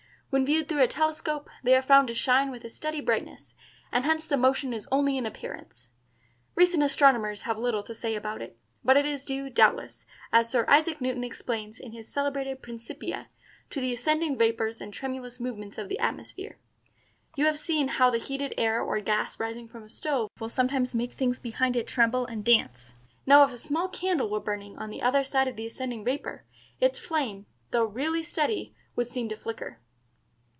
When viewed through a telescope, they are found to shine with a steady brightness, and hence the motion is only in appearance. Recent astronomers have little to say about it; but it is due, doubtless, as Sir Isaac Newton explains in his celebrated Principia, to the ascending vapors and tremulous movements of the atmosphere. You have seen how the heated air or gas rising from a stove will sometimes make things behind it tremble and dance. Now if a small candle were burning on the other side of the ascending vapor, its flame, though really steady, would seem to flicker."